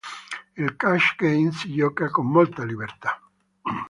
Il cash game si gioca con molta libertà.